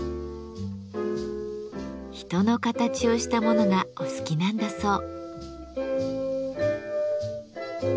人の形をしたものがお好きなんだそう。